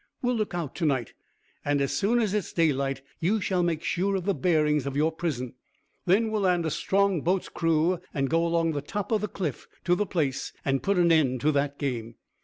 We'll look out to night, and, as soon as it is daylight, you shall make sure of the bearings of your prison, then we'll land a strong boat's crew, and go along the top of the cliff to the place, and put an end to that game.